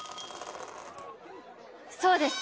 そうです